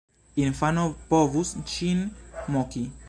Infano povus ŝin moki.